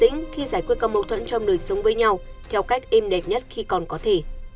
hãy cố gắng khi giải quyết các mâu thuẫn trong đời sống với nhau theo cách êm đẹp nhất khi còn có thể